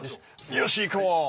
よしいこう！